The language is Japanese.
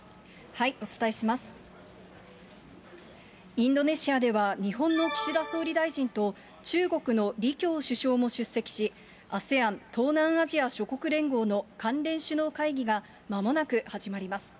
インドネシアでは日本の岸田総理大臣と、中国の李強首相も出席し、ＡＳＥＡＮ・東南アジア諸国連合の関連首脳会議がまもなく始まります。